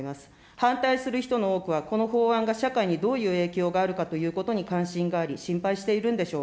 反対する人の多くは、この法案が社会にどういう影響があるかということに関心があり、心配しているんでしょう。